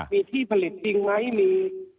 มีที่ผลิตจริงไหมมี